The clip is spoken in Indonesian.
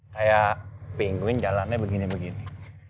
kayak penguin jalannya begini begini